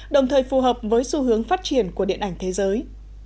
đồng thời phù hợp với xu hướng phát triển của điện ảnh thế giới